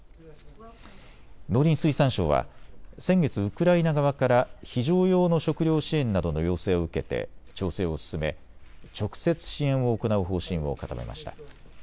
農林水産省は先月、ウクライナ側から非常用の食料支援などの要請を受けて調整を進め直接支援を行う方針を固めました。